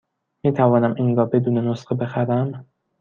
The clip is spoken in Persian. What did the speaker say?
می توانم این را بدون نسخه بخرم؟